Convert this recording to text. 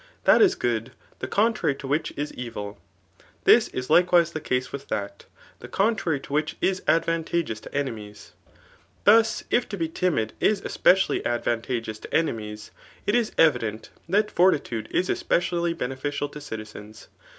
That is good, the contrarry to which is eviL This is likewise the case with that, the contrary to which OaA9.ru .AHXTOUG. »S » is advantageous to enemies. Thus, if to, be timid is eyerially advantageous to enemies, it is evident that for titude is especially beneficial to citizens.